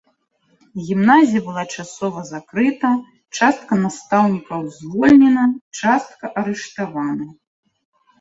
Гімназія была часова закрыта, частка настаўнікаў звольнена, частка арыштавана.